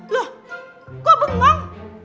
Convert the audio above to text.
loh kok bengong